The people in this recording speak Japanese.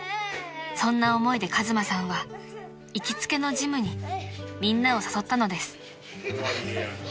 ［そんな思いで和真さんは行きつけのジムにみんなを誘ったのです］